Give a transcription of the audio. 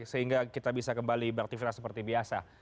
sehingga kita bisa kembali beraktivitas seperti biasa